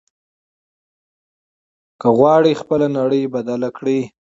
که غواړې خپله نړۍ بدله کړې.